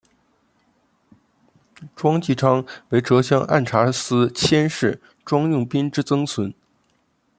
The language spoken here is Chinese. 庄际昌为浙江按察司佥事庄用宾之曾孙。